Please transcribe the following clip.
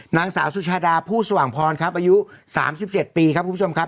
นางสาวสุชาดาผู้สว่างพรครับอายุ๓๗ปีครับคุณผู้ชมครับ